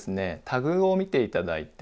タグを見て頂いて。